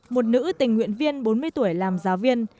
một nữ tình nguyện viên bốn mươi tuổi làm giáo viên